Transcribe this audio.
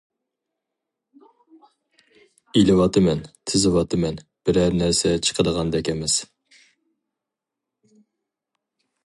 ئېلىۋاتىمەن، تىزىۋاتىمەن، بىرەر نەرسە چىقىدىغاندەك ئەمەس.